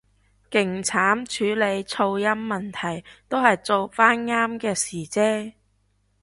勁慘處理噪音問題，都係做返啱嘅事啫